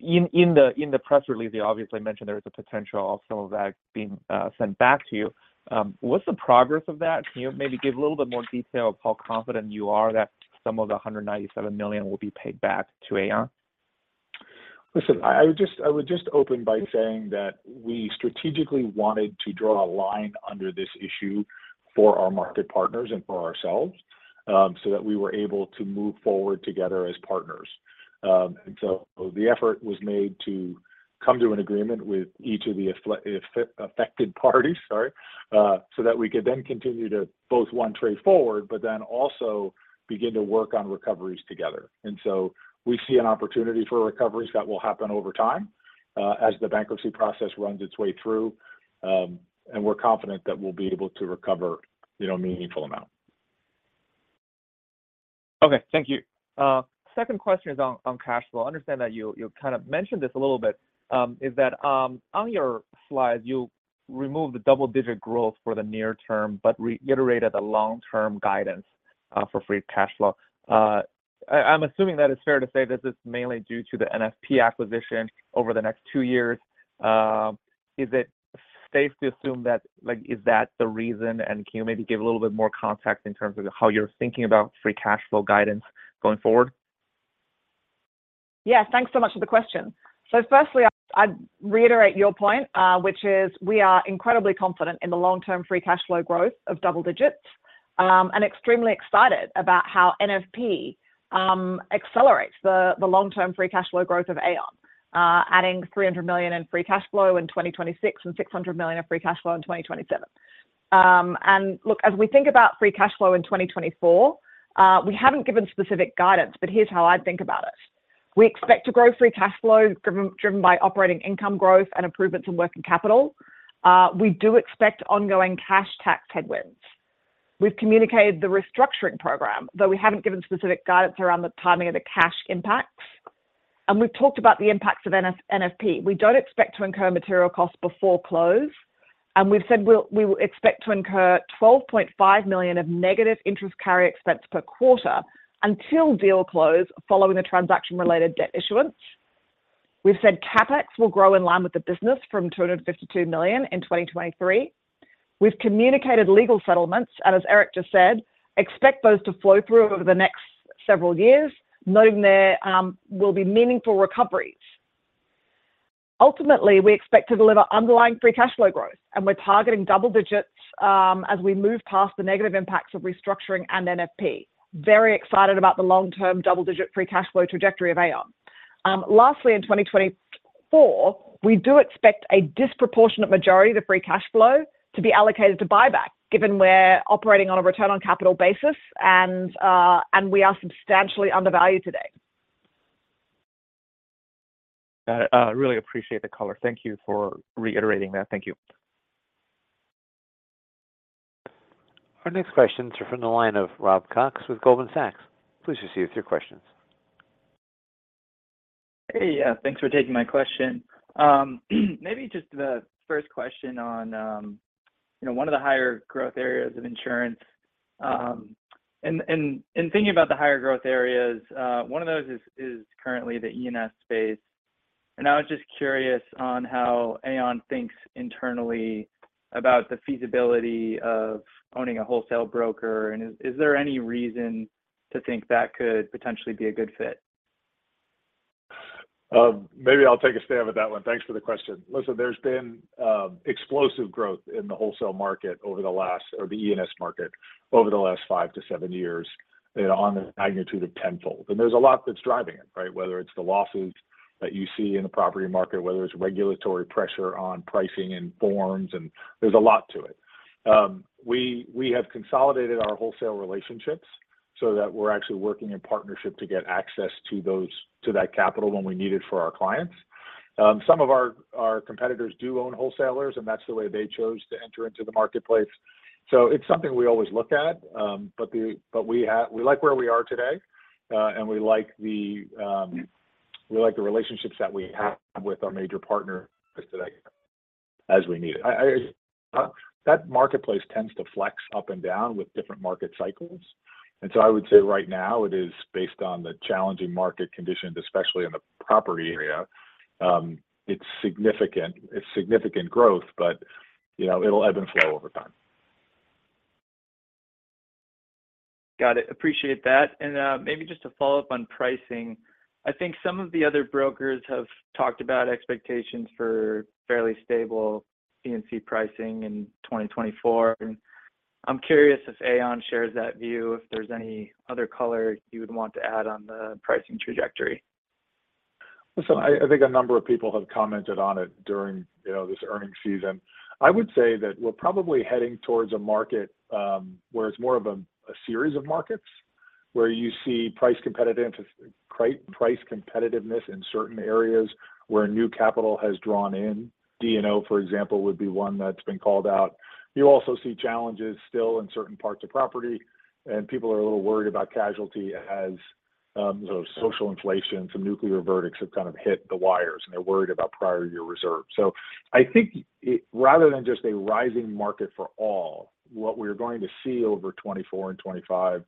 the press release, you obviously mentioned there is a potential of some of that being sent back to you. What's the progress of that? Can you maybe give a little bit more detail of how confident you are that some of the $197 million will be paid back to Aon? Listen, I would just open by saying that we strategically wanted to draw a line under this issue for our market partners and for ourselves, so that we were able to move forward together as partners. And so the effort was made to come to an agreement with each of the affected parties, sorry, so that we could then continue to both, one, trade forward, but then also begin to work on recoveries together. And so we see an opportunity for recoveries that will happen over time, as the bankruptcy process runs its way through, and we're confident that we'll be able to recover, you know, a meaningful amount. Okay. Thank you. Second question is on cash flow. I understand that you kind of mentioned this a little bit, is that on your slides, you removed the double-digit growth for the near term but reiterated the long-term guidance for Free Cash Flow. I, I'm assuming that it's fair to say this is mainly due to the NFP acquisition over the next two years. Is it safe to assume that, like, is that the reason? And can you maybe give a little bit more context in terms of how you're thinking about Free Cash Flow guidance going forward? Yeah, thanks so much for the question. So firstly, I'd reiterate your point, which is we are incredibly confident in the long-term free cash flow growth of double digits, and extremely excited about how NFP accelerates the long-term free cash flow growth of Aon, adding $300 million in free cash flow in 2026, and $600 million in free cash flow in 2027. And look, as we think about free cash flow in 2024, we haven't given specific guidance, but here's how I'd think about it: We expect to grow free cash flow driven by operating income growth and improvements in working capital. We do expect ongoing cash tax headwinds. We've communicated the restructuring program, though we haven't given specific guidance around the timing of the cash impacts. We've talked about the impacts of NFP. We don't expect to incur material costs before close, and we will expect to incur $12.5 million of negative interest carry expense per quarter until deal close, following the transaction-related debt issuance. We've said CapEx will grow in line with the business from $252 million in 2023. We've communicated legal settlements, and as Eric just said, expect those to flow through over the next several years, noting there will be meaningful recoveries. Ultimately, we expect to deliver underlying free cash flow growth, and we're targeting double digits as we move past the negative impacts of restructuring and NFP. Very excited about the long-term double-digit free cash flow trajectory of Aon. Lastly, in 2024, we do expect a disproportionate majority of the free cash flow to be allocated to buyback, given we're operating on a return on capital basis and we are substantially undervalued today. Got it. Really appreciate the color. Thank you for reiterating that. Thank you. Our next questions are from the line of Rob Cox with Goldman Sachs. Please proceed with your questions. Hey, thanks for taking my question. Maybe just the first question on, you know, one of the higher growth areas of insurance. And thinking about the higher growth areas, one of those is currently the E&S space. And I was just curious on how Aon thinks internally about the feasibility of owning a wholesale broker, and is there any reason to think that could potentially be a good fit? Maybe I'll take a stab at that one. Thanks for the question. Listen, there's been explosive growth in the wholesale market over the last or the E&S market over the last 5-7 years, you know, on the magnitude of tenfold. And there's a lot that's driving it, right? Whether it's the losses that you see in the property market, whether it's regulatory pressure on pricing and forms, and there's a lot to it. We have consolidated our wholesale relationships so that we're actually working in partnership to get access to those, to that capital when we need it for our clients. Some of our competitors do own wholesalers, and that's the way they chose to enter into the marketplace. So it's something we always look at, but we like where we are today, and we like the relationships that we have with our major partners today as we need it. That marketplace tends to flex up and down with different market cycles. And so I would say right now, it is based on the challenging market conditions, especially in the property area, it's significant. It's significant growth, but, you know, it'll ebb and flow over time.... Got it. Appreciate that. Maybe just to follow up on pricing, I think some of the other brokers have talked about expectations for fairly stable P&C pricing in 2024. I'm curious if Aon shares that view, if there's any other color you would want to add on the pricing trajectory? Listen, I think a number of people have commented on it during, you know, this earnings season. I would say that we're probably heading towards a market, where it's more of a series of markets, where you see price competitiveness in certain areas where new capital has drawn in. D&O, for example, would be one that's been called out. You also see challenges still in certain parts of property, and people are a little worried about casualty as sort of social inflation. Some nuclear verdicts have kind of hit the wires, and they're worried about prior year reserve. So I think it, rather than just a rising market for all, what we're going to see over 2024 and 2025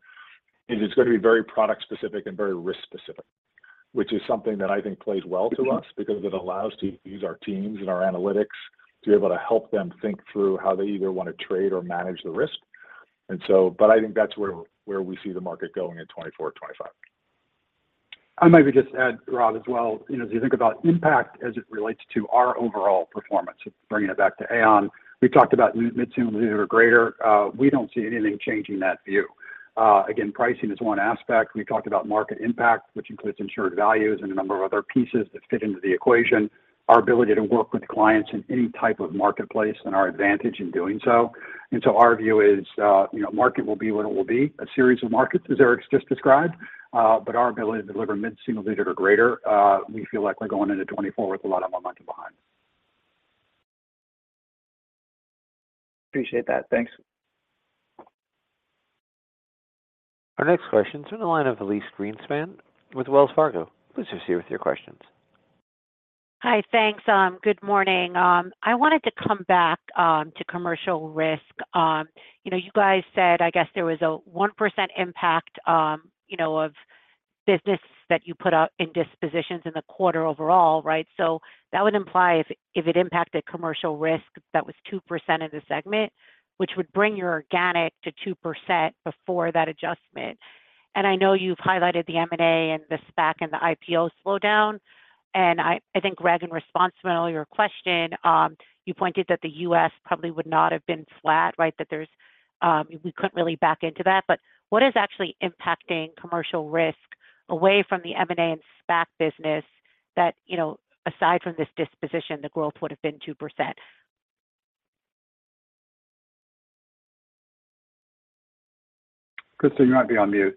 is it's gonna be very product specific and very risk specific. Which is something that I think plays well to us because it allows to use our teams and our analytics to be able to help them think through how they either want to trade or manage the risk. And so, but I think that's where, where we see the market going in 2024, 2025. I maybe just add, Rob, as well, you know, as you think about impact as it relates to our overall performance, bringing it back to Aon. We talked about mid-single digit or greater. We don't see anything changing that view. Again, pricing is one aspect. We talked about market impact, which includes insured values and a number of other pieces that fit into the equation. Our ability to work with clients in any type of marketplace, and our advantage in doing so. And so our view is, you know, market will be what it will be, a series of markets, as Eric's just described. But our ability to deliver mid-single digit or greater, we feel like we're going into 2024 with a lot of momentum behind. Appreciate that. Thanks. Our next question is on the line of Elyse Greenspan with Wells Fargo. Please go ahead with your questions. Hi. Thanks, good morning. I wanted to come back to commercial risk. You know, you guys said, I guess, there was a 1% impact, you know, of business that you put out in dispositions in the quarter overall, right? So that would imply if, if it impacted commercial risk, that was 2% of the segment, which would bring your organic to 2% before that adjustment. And I know you've highlighted the M&A, and the SPAC, and the IPO slowdown, and I, I think, Greg, in response to earlier question, you pointed that the U.S. probably would not have been flat, right? That there's... We couldn't really back into that, but what is actually impacting commercial risk away from the M&A and SPAC business that, you know, aside from this disposition, the growth would have been 2%? Christa, you might be on mute.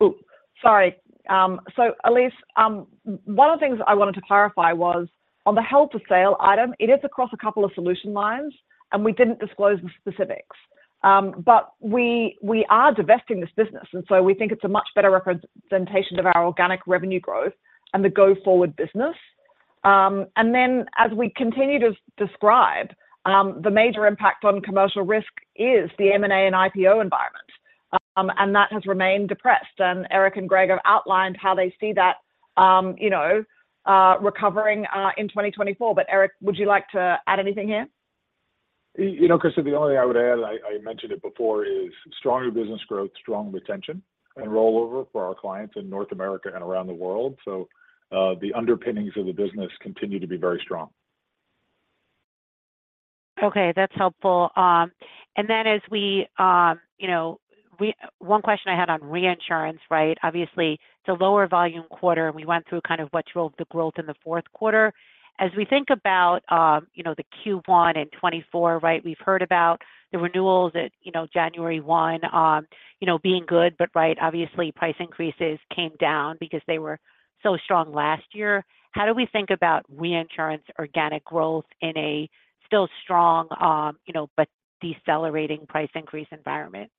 Oh, sorry. So Elyse, one of the things I wanted to clarify was, on the held for sale item, it is across a couple of solution lines, and we didn't disclose the specifics. But we are divesting this business, and so we think it's a much better representation of our organic revenue growth and the go-forward business. And then as we continue to describe, the major impact on commercial risk is the M&A and IPO environment, and that has remained depressed. And Eric and Greg have outlined how they see that, you know, recovering in 2024. But Eric, would you like to add anything here? You know, Christa, the only thing I would add, I mentioned it before, is stronger business growth, strong retention, and rollover for our clients in North America and around the world. So, the underpinnings of the business continue to be very strong. Okay, that's helpful. And then as we, you know, one question I had on reinsurance, right? Obviously, it's a lower volume quarter, and we went through kind of what drove the growth in the Q4. As we think about, you know, the Q1 in 2024, right, we've heard about the renewals at, you know, January 1, being good, but right, obviously, price increases came down because they were so strong last year. How do we think about reinsurance organic growth in a still strong, you know, but decelerating price increase environment?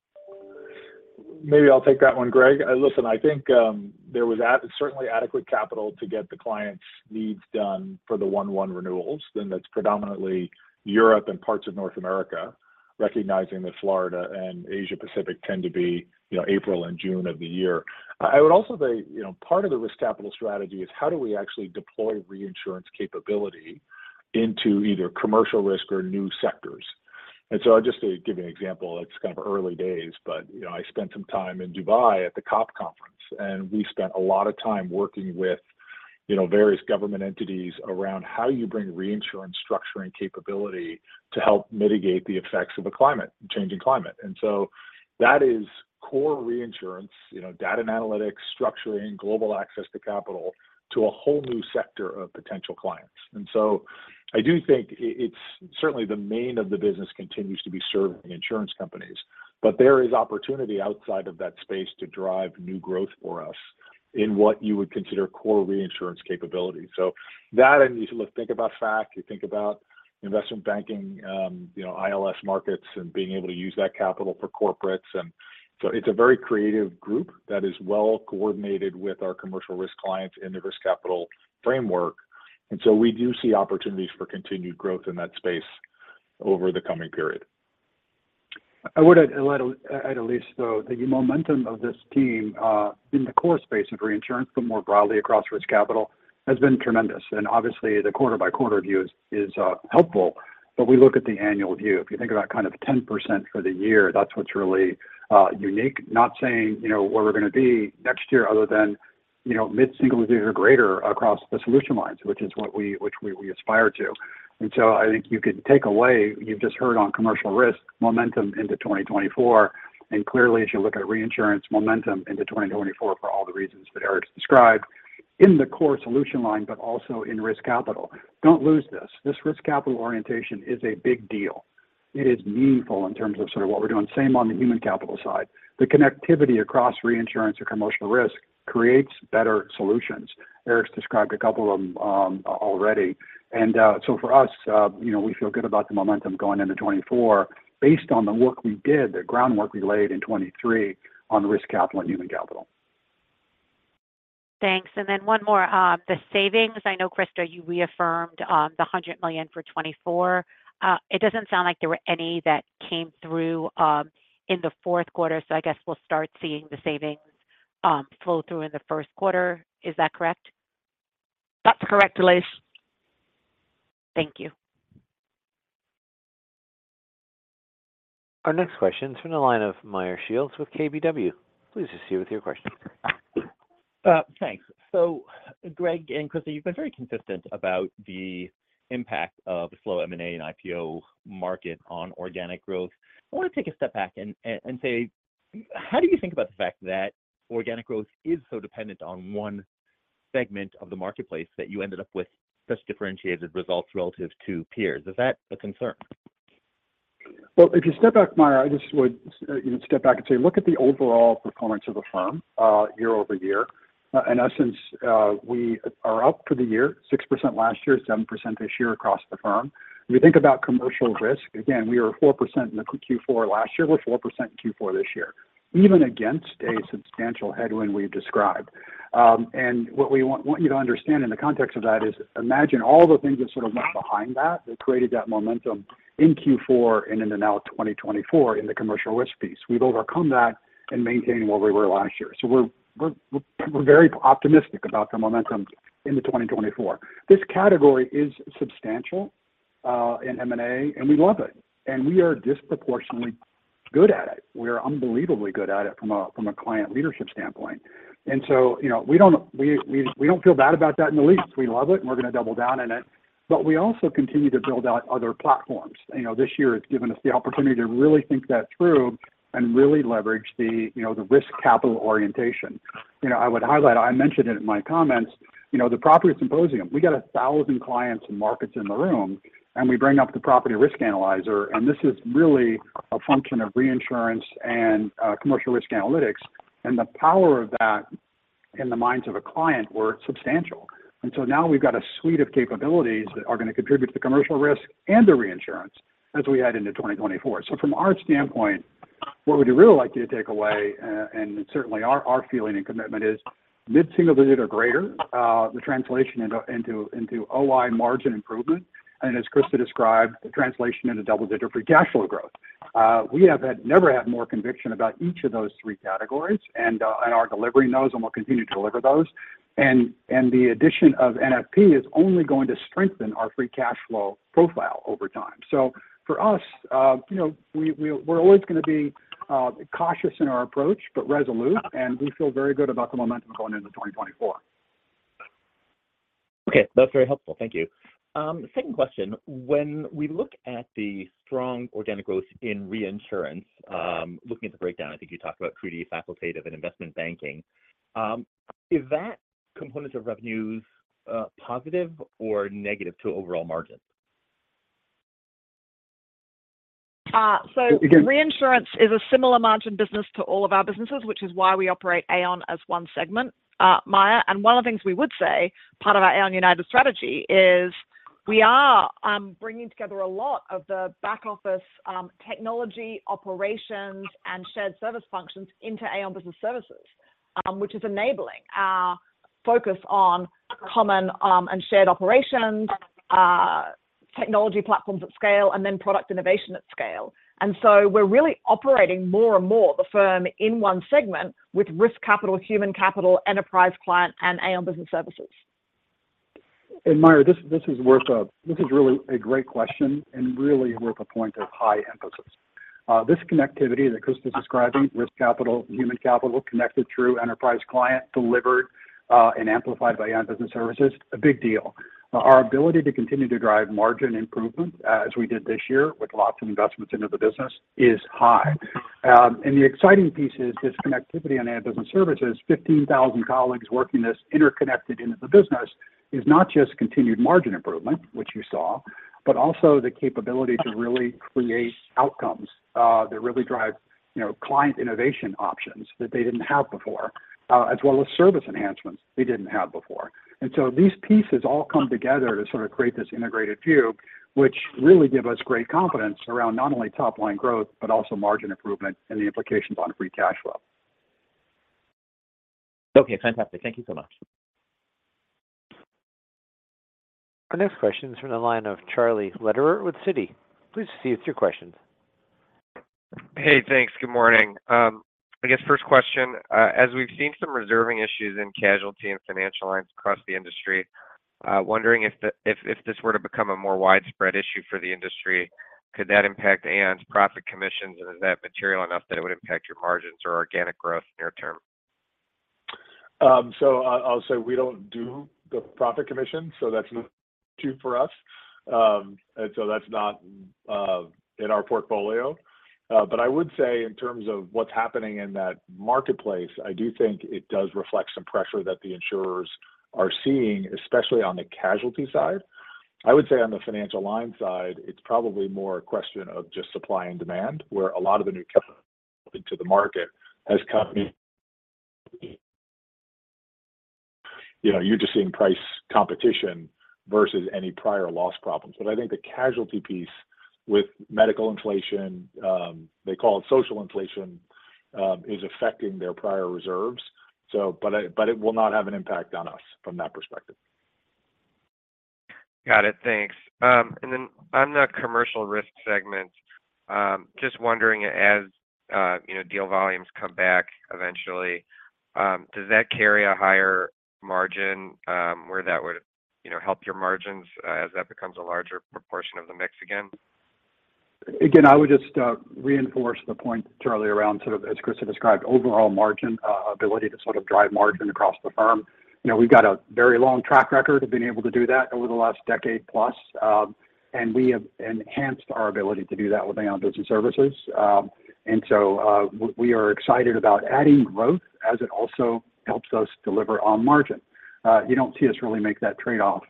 Maybe I'll take that one, Greg. Listen, I think, there was certainly adequate capital to get the clients' needs done for the 1/1 renewals, and that's predominantly Europe and parts of North America, recognizing that Florida and Asia Pacific tend to be, you know, April and June of the year. I would also say, you know, part of the risk capital strategy is how do we actually deploy reinsurance capability into either commercial risk or new sectors? And so just to give you an example, it's kind of early days, but you know, I spent some time in Dubai at the COP conference, and we spent a lot of time working with, you know, various government entities around how you bring reinsurance structuring capability to help mitigate the effects of a climate-changing climate. That is core reinsurance, you know, data and analytics, structuring, global access to capital to a whole new sector of potential clients. So I do think it's certainly the main of the business continues to be serving insurance companies, but there is opportunity outside of that space to drive new growth for us in what you would consider core reinsurance capabilities. So that, and you look, think about Fac, you think about investment banking, you know, ILS markets, and being able to use that capital for corporates. So it's a very creative group that is well coordinated with our commercial risk clients in the risk capital framework, and we do see opportunities for continued growth in that space over the coming period. I would add, Elyse, though, the momentum of this team in the core space of reinsurance, but more broadly across risk capital, has been tremendous. And obviously, the quarter-by-quarter view is helpful, but we look at the annual view. If you think about kind of 10% for the year, that's what's really unique. Not saying, you know, where we're going to be next year, other than you know, mid-single digit or greater across the solution lines, which is what we aspire to. And so I think you could take away, you've just heard on commercial risk, momentum into 2024. And clearly, as you look at reinsurance momentum into 2024, for all the reasons that Eric described, in the core solution line, but also in risk capital. Don't lose this. This risk capital orientation is a big deal. It is meaningful in terms of sort of what we're doing. Same on the human capital side. The connectivity across reinsurance or commercial risk creates better solutions. Eric described a couple of them already. And, so for us, you know, we feel good about the momentum going into 2024 based on the work we did, the groundwork we laid in 2023 on risk capital and human capital. Thanks. And then one more. The savings, I know, Christa, you reaffirmed, the $100 million for 2024. It doesn't sound like there were any that came through, in the Q4, so I guess we'll start seeing the savings, flow through in the Q1. Is that correct? That's correct, Elyse. Thank you. Our next question is from the line of Meyer Shields with KBW. Please proceed with your question. Thanks. So Greg and Christa, you've been very consistent about the impact of slow M&A and IPO market on organic growth. I want to take a step back and say: How do you think about the fact that organic growth is so dependent on one segment of the marketplace, that you ended up with such differentiated results relative to peers? Is that a concern? Well, if you step back, Meyer, I just would even step back and say, look at the overall performance of the firm, year-over-year. In essence, we are up for the year, 6% last year, 7% this year across the firm. If you think about commercial risk, again, we were 4% in the Q4 last year, we're 4% Q4 this year, even against a substantial headwind we've described. And what we want, want you to understand in the context of that is, imagine all the things that sort of went behind that, that created that momentum in Q4 and into now 2024 in the commercial risk piece. We've overcome that and maintained where we were last year. So we're, we're, we're very optimistic about the momentum into 2024. This category is substantial in M&A, and we love it, and we are disproportionately good at it. We are unbelievably good at it from a client leadership standpoint. And so, you know, we don't feel bad about that in the least. We love it, and we're going to double down on it, but we also continue to build out other platforms. You know, this year has given us the opportunity to really think that through and really leverage the, you know, the risk capital orientation. You know, I would highlight, I mentioned it in my comments, you know, the property symposium, we got 1,000 clients and markets in the room, and we bring up the Property Risk Analyzer, and this is really a function of reinsurance and commercial risk analytics. The power of that in the minds of a client were substantial. So now we've got a suite of capabilities that are going to contribute to the commercial risk and the reinsurance as we add into 2024. So from our standpoint, what we'd really like you to take away, and certainly our feeling and commitment is mid-single-digit or greater, the translation into OI margin improvement, and as Christa described, the translation into double-digit free cash flow growth. We have never had more conviction about each of those three categories and are delivering those, and we'll continue to deliver those. And the addition of NFP is only going to strengthen our free cash flow profile over time. So for us, you know, we're always going to be cautious in our approach, but resolute, and we feel very good about the momentum going into 2024. Okay, that's very helpful. Thank you. Second question: When we look at the strong organic growth in reinsurance, looking at the breakdown, I think you talked about treaty, facultative, and investment banking. Is that component of revenues positive or negative to overall margin? So reinsurance is a similar margin business to all of our businesses, which is why we operate Aon as one segment, Meyer. And one of the things we would say, part of our Aon United strategy is we are bringing together a lot of the back office, technology, operations, and shared service functions into Aon Business Services, which is enabling our focus on common, and shared operations, technology platforms at scale, and then product innovation at scale. And so we're really operating more and more the firm in one segment with Risk Capital, Human Capital, Enterprise Client, and Aon Business Services. Meyer, this is really a great question and really worth a point of high emphasis. This connectivity that Christa is describing, risk capital, human capital, connected through enterprise client, delivered and amplified by Aon Business Services, a big deal. Our ability to continue to drive margin improvement, as we did this year, with lots of investments into the business, is high. And the exciting piece is this connectivity on Aon Business Services, 15,000 colleagues working this interconnected into the business, is not just continued margin improvement, which you saw, but also the capability to really create outcomes that really drive, you know, client innovation options that they didn't have before, as well as service enhancements they didn't have before. And so these pieces all come together to sort of create this integrated view, which really give us great confidence around not only top-line growth, but also margin improvement and the implications on free cash flow. Okay, fantastic. Thank you so much. Our next question is from the line of Charlie Lederer with Citi. Please proceed with your questions. Hey, thanks. Good morning. I guess first question, as we've seen some reserving issues in casualty and financial lines across the industry,... wondering if this were to become a more widespread issue for the industry, could that impact Aon's profit commissions? And is that material enough that it would impact your margins or organic growth near term? So, I'll say we don't do the profit commission, so that's not true for us. And so that's not in our portfolio. But I would say in terms of what's happening in that marketplace, I do think it does reflect some pressure that the insurers are seeing, especially on the casualty side. I would say on the financial line side, it's probably more a question of just supply and demand, where a lot of the new capital into the market has come. You know, you're just seeing price competition versus any prior loss problems. But I think the casualty piece with medical inflation, they call it social inflation, is affecting their prior reserves. But it will not have an impact on us from that perspective. Got it. Thanks. And then on the commercial risk segment, just wondering, as you know, deal volumes come back eventually, does that carry a higher margin, where that would, you know, help your margins, as that becomes a larger proportion of the mix again? Again, I would just reinforce the point, Charlie, around sort of, as Christa described, overall margin ability to sort of drive margin across the firm. You know, we've got a very long track record of being able to do that over the last decade plus, and we have enhanced our ability to do that with Aon Business Services. And so, we are excited about adding growth as it also helps us deliver on margin. You don't see us really make that trade-off.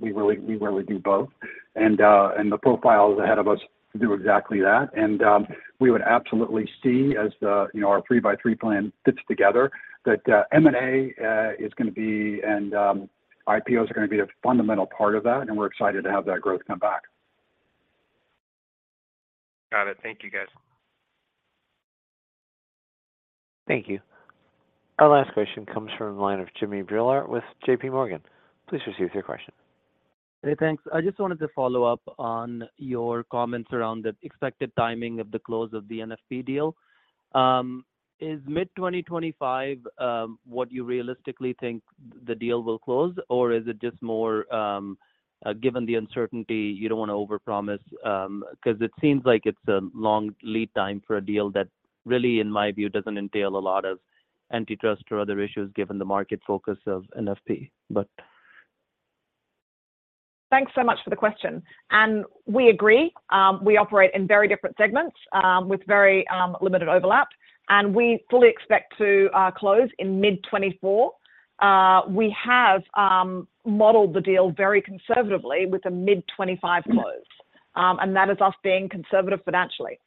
We really rarely do both. And the profiles ahead of us do exactly that. And we would absolutely see as, you know, our 3x3 Plan fits together, that M&A is gonna be and IPOs are gonna be a fundamental part of that, and we're excited to have that growth come back. Got it. Thank you, guys. Thank you. Our last question comes from the line of Jimmy Bhullar with JPMorgan. Please proceed with your question. Hey, thanks. I just wanted to follow up on your comments around the expected timing of the close of the NFP deal. Is mid 2025 what you realistically think the deal will close, or is it just more, given the uncertainty, you don't want to overpromise? 'Cause it seems like it's a long lead time for a deal that really, in my view, doesn't entail a lot of antitrust or other issues, given the market focus of NFP. Thanks so much for the question. And we agree, we operate in very different segments, with very, limited overlap, and we fully expect to, close in mid 2024. We have, modeled the deal very conservatively with a mid 2025 close. And that is us being conservative financially.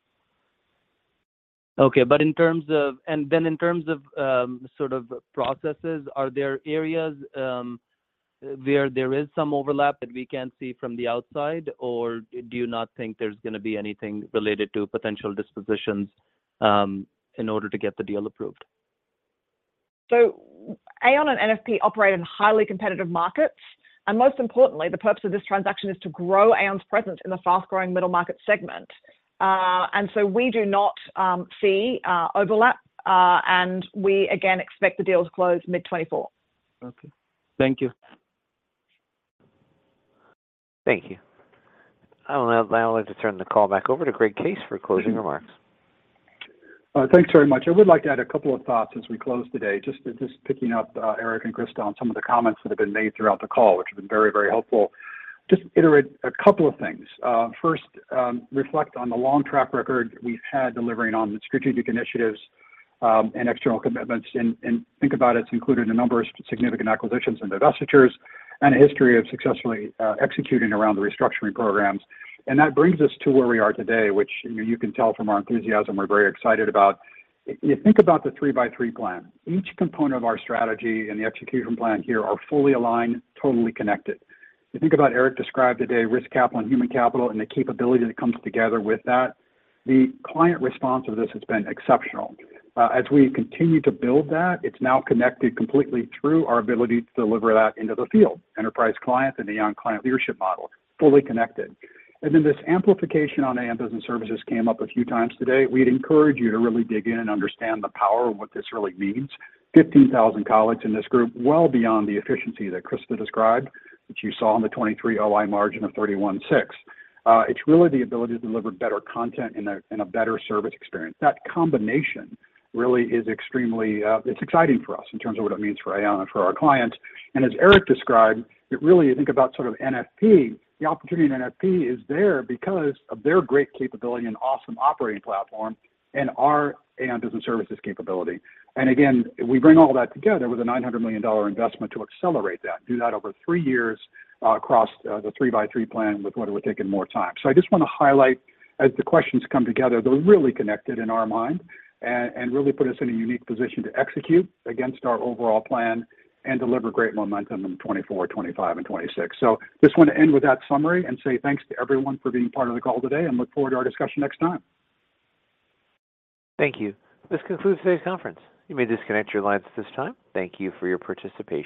Okay. But in terms of sort of processes, are there areas where there is some overlap that we can't see from the outside, or do you not think there's gonna be anything related to potential dispositions in order to get the deal approved? So Aon and NFP operate in highly competitive markets, and most importantly, the purpose of this transaction is to grow Aon's presence in the fast-growing middle market segment. And so we do not see overlap, and we again expect the deal to close mid-2024. Okay. Thank you. Thank you. I would now like to turn the call back over to Greg Case for closing remarks. Thanks very much. I would like to add a couple of thoughts as we close today. Just picking up, Eric and Christa, on some of the comments that have been made throughout the call, which have been very, very helpful. Just to iterate a couple of things. First, reflect on the long track record we've had delivering on the strategic initiatives, and external commitments, and think about it, it's included a number of significant acquisitions and divestitures and a history of successfully executing around the restructuring programs. And that brings us to where we are today, which, you know, you can tell from our enthusiasm, we're very excited about. You think about the3x3 Plan. Each component of our strategy and the execution plan here are fully aligned, totally connected. You think about what Eric described today, Risk Capital and Human Capital and the capability that comes together with that. The client response to this has been exceptional. As we continue to build that, it's now connected completely through our ability to deliver that into the field. Enterprise clients and the Aon Client Leadership Model, fully connected. And then this amplification on Aon Business Services came up a few times today. We'd encourage you to really dig in and understand the power of what this really means. 15,000 colleagues in this group, well beyond the efficiency that Christa described, which you saw in the 2023 OI margin of 31.6. It's really the ability to deliver better content and a better service experience. That combination really is extremely, it's exciting for us in terms of what it means for Aon and for our clients. And as Eric described, it really, you think about sort of NFP. The opportunity in NFP is there because of their great capability and awesome operating platform and our Aon Business Services capability. And again, we bring all that together with a $900 million investment to accelerate that, do that over 3 years, across the 3x3 Plan with what it would take in more time. So I just want to highlight, as the questions come together, they're really connected in our mind and, and really put us in a unique position to execute against our overall plan and deliver great momentum in 2024, 2025, and 2026. So just want to end with that summary and say thanks to everyone for being part of the call today, and look forward to our discussion next time. Thank you. This concludes today's conference. You may disconnect your lines at this time. Thank you for your participation.